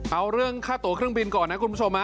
เอาเรื่องค่าตัวเครื่องบินก่อนนะคุณผู้ชม